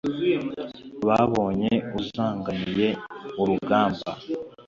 Babonye uzanganiye urugamba,